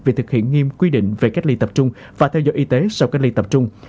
về thực hiện nghiêm quy định về cách ly tập trung và theo dõi y tế sau cách ly tập trung